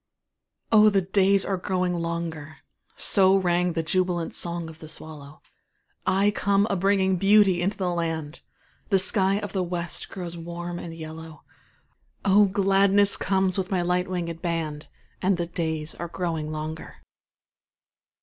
Oh, the days are growing longer; So rang the jubilant song of the swallow; I come a bringing beauty into the land, The sky of the West grows warm and yellow, Oh, gladness comes with my light winged band, And the days are growing longer.